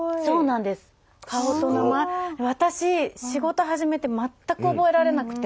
私仕事始めて全く覚えられなくて。